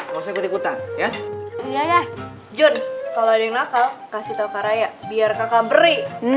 maksudnya kutip kutan ya ya jun kalau ada yang nakal kasih tau kak raya biar kakak beri